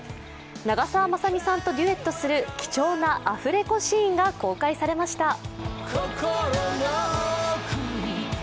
長澤まさみさんとデュエットする貴重なアフレコシーンが公開されました。